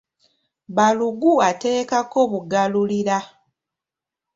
Balugu ateekako bugalulira.